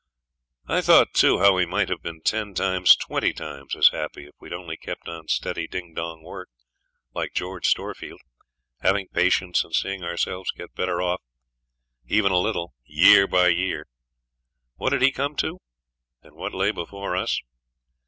I thought, too, how we might have been ten times, twenty times, as happy if we'd only kept on steady ding dong work, like George Storefield, having patience and seeing ourselves get better off even a little year by year. What had he come to? And what lay before us?